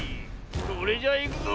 それじゃいくぞ。